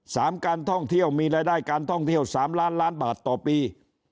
การท่องเที่ยวมีรายได้การท่องเที่ยวสามล้านล้านบาทต่อปี